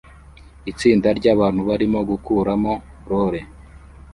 Itsinda ryabantu barimo gukuramo roller